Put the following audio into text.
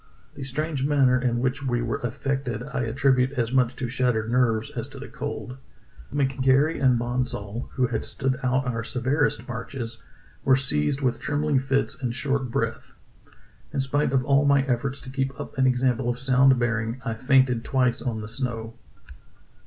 The strange manner in which we were affected I attribute as much to shattered nerves as to the cold. McGary and Bonsall, who had stood out our severest marches, were seized with trembling fits and short breath. In spite of all my efforts to keep up an example of sound bearing, I fainted twice on the snow.